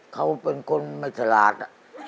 เขาเป็นคนมัธราช